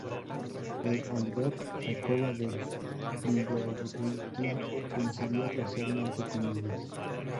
El oidor Jacobo de Villaurrutia coincidió parcialmente con ellos.